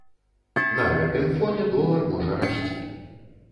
На гэтым фоне долар можа расці.